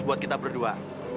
buat kita berdua